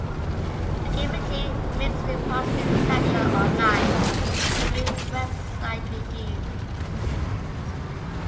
The game achieved mixed to positive reception on online gaming website reviews.